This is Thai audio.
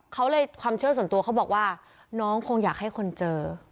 เขาเลยความเชื่อส่วนตัวเขาบอกว่าน้องคงอยากให้คนเจอ